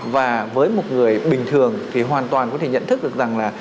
và với một người bình thường thì hoàn toàn có thể nhận thức được rằng là